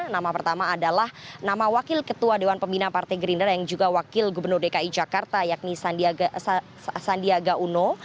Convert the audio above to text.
nama pertama adalah nama wakil ketua dewan pembina partai gerindra yang juga wakil gubernur dki jakarta yakni sandiaga uno